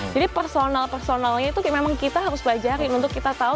jadi personal personalnya itu memang kita harus belajar untuk kita tahu